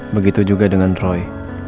begitu juga dengan roy